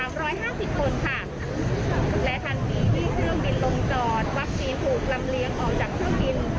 และทันทีที่เครื่องบินลงจอดวัคซีนถูกลำเลียงออกจากเครื่องบิน